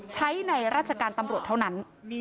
ใช้ในราชการตำรวจเท่านั้น